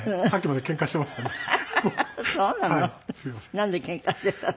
なんでけんかしてたの？